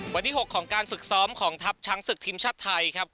วันที่๖ของการฝึกซ้อมของทัพช้างศึกทีมชาติไทยครับ